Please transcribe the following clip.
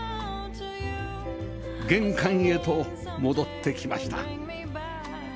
玄関へと戻ってきました